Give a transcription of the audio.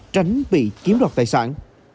tránh bị kiếm đọc tài sản